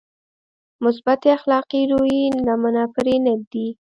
مثبتې اخلاقي رويې لمنه پرې نهږدي.